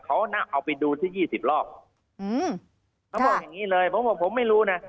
เขาน่ะเอาไปดูที่ยี่สิบรอบอืมเขาบอกอย่างงี้เลยผมบอกผมไม่รู้นะ